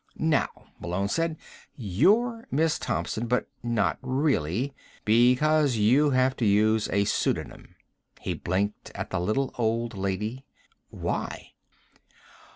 "Now," Malone said, "you're Miss Thompson, but not really, because you have to use a pseudonym." He blinked at the little old lady. "Why?"